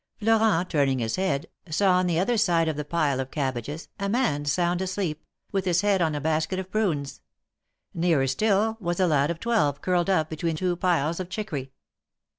Florent, turning his head, saw on the other side of the pile of cabbages, a man sound asleep, with his head on a basket of prunes ; nearer still was a lad of twelve curled up between two piles of chiccory.